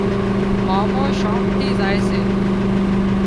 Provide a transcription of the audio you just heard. مامو شوق ٿي زائي سي